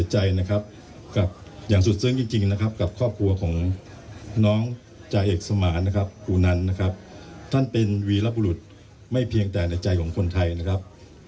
หลับให้สบายนะครับ